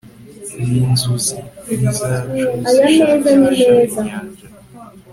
ninzuzi nkizacu zishakisha inyanja